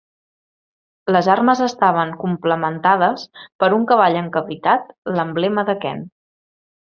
Les armes estaven complementades per un cavall encabritat, l'emblema de Kent.